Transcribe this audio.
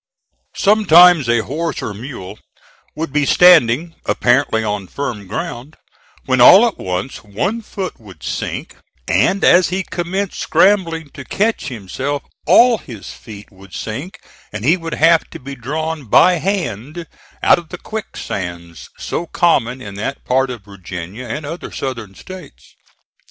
Sometimes a horse or mule would be standing apparently on firm ground, when all at once one foot would sink, and as he commenced scrambling to catch himself all his feet would sink and he would have to be drawn by hand out of the quicksands so common in that part of Virginia and other southern States.